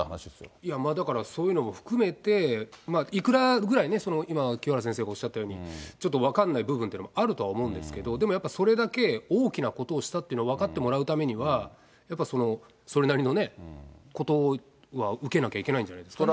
いやまあ、だからそういうのも含めて、いくらぐらいね、その、今、清原先生がおっしゃったように、ちょっと分からない部分というのもあると思うんですけれども、でもやっぱそれだけ大きなことをしたっていうのを分かってもらうためには、やっぱそれなりのね、ことは受けなきゃいけないんじゃないですかね。